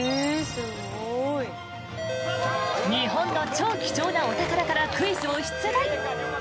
すごい！日本の超貴重なお宝からクイズを出題。